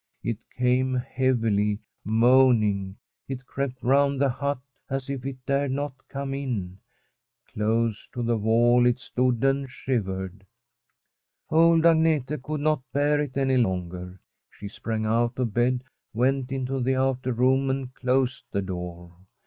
It came heavily, moaning. It crept round the hut as if it dared not come in. Close to the wall it stood and shivered. Old Agnete could not bear it any longer. She sprang out of bed, went into the outer room and closed the door.